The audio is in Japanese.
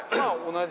◆同じ？